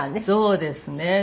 そうですね。